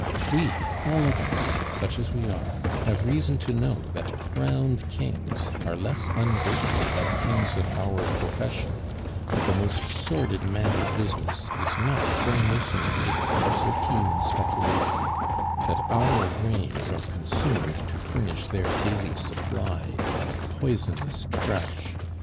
We, all of us, such as we are, have reason to know that crowned kings are less ungrateful than kings of our profession; that the most sordid man of business is not so mercenary nor so keen in speculation; that our brains are consumed to furnish their daily supply of poisonous trash.